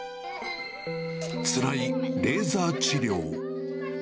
つらいレーザー治療。